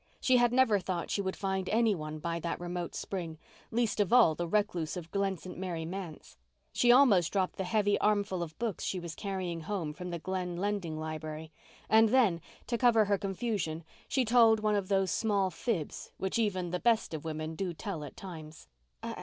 She had never thought she would find anyone by that remote spring, least of all the recluse of Glen St. Mary manse. She almost dropped the heavy armful of books she was carrying home from the Glen lending library, and then, to cover her confusion, she told one of those small fibs which even the best of women do tell at times.